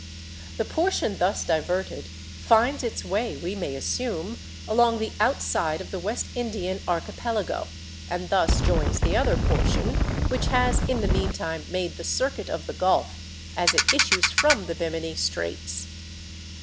The portion thus diverted finds its way, we may assume, along the outside of the West Indian Archipelago, and thus joins the other portion—which has in the meantime made the circuit of the Gulf—as it issues from the Bemini Straits.